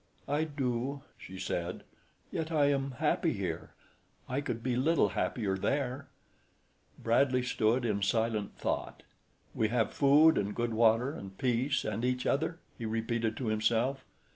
"I do," she said, "yet I am happy here. I could be little happier there." Bradley stood in silent thought. "`We have food and good water and peace and each other!'" he repeated to himself.